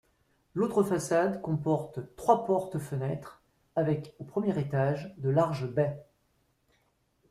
L'autre façade comporte trois portes fenêtres, avec au premier étage de larges baies.